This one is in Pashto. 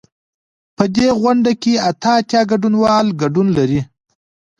په دې غونډه کې اته اتیا ګډونوال ګډون لري.